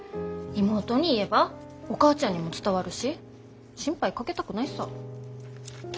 妹に言えばお母ちゃんにも伝わるし心配かけたくないさぁ。